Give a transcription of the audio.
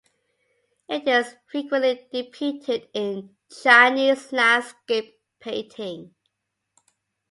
It is frequently depicted in Chinese landscape painting.